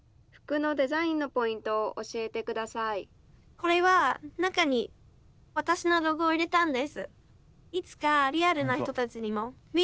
これは中に私のロゴを入れたんです。